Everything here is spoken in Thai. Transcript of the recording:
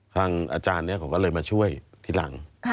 อาจารย์นี้เขาก็เลยมาช่วยทีหลัง